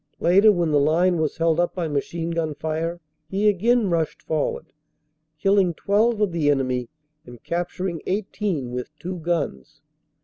Later, when the line was held up by machine gun fire, he again rushed forward, killing 12 of the enemy and capturing 18 with two guns.